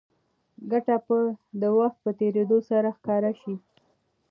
ګټه به د وخت په تېرېدو سره ښکاره شي.